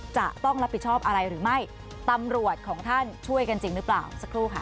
จะต้องรับผิดชอบอะไรหรือไม่ตำรวจของท่านช่วยกันจริงหรือเปล่าสักครู่ค่ะ